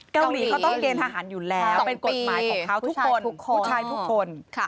เกาหลีเขาต้องเกณฑหารอยู่แล้วเป็นกฎหมายของเขาทุกคนผู้ชายทุกคน